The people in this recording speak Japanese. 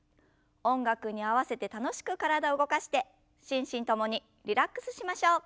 音楽に合わせて楽しく体を動かして心身ともにリラックスしましょう。